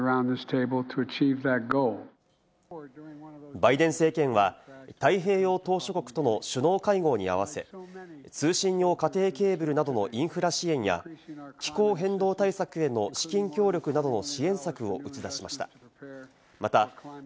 バイデン政権は太平洋島しょ国との首脳会合に合わせ、通信用家庭ケーブルなどのインフラ支援や気候変動対策への資金協力などの支援策を打ち出しました。